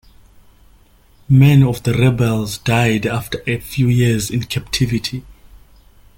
Many of the rebels died after a few years in captivity.